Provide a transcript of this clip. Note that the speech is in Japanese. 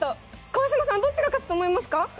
川島さん、どっちが勝つと思いますか！？